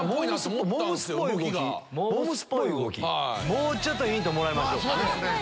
もうちょっとヒントもらいましょうかね。